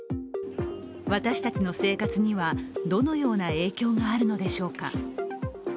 私たちの生活には、どのような影響があるのでしょうか。